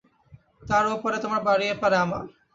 তার ও পারে তোমার বাড়ি, এ পারে আমার।